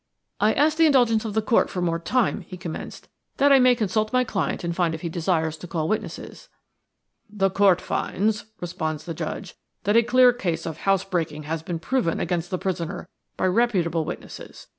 "I ask the indulgence of the court for more time," he commenced, "that I may consult my client and find if he desires to call witnesses." "The court finds," responded the Judge, "that a clear case of house breaking has been proven against the prisoner by reputable witnesses.